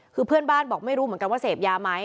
คือเพื่อนบ้านบอกไม่รู้เหมือนกันว่าเสพยาไหม